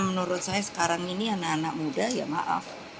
menurut saya sekarang ini anak anak muda ya maaf